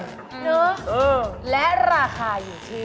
เนอะและราคาอยู่ที่